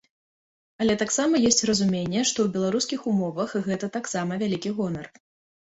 Але таксама ёсць разуменне, што ў беларускіх умовах гэта таксама вялікі гонар.